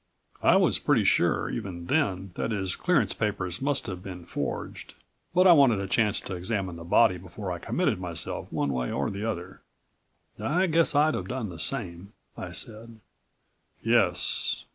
I was pretty sure, even then, that his clearance papers must have been forged, but I wanted a chance to examine the body before I committed myself, one way or the other." "I guess I'd have done the same," I said "Yes....